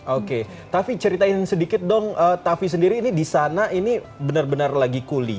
oke tapi ceritain sedikit dong tavi sendiri ini di sana ini benar benar lagi kuli